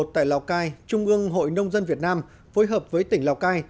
tại lào cai trung ương hội nông dân việt nam phối hợp với tỉnh lào cai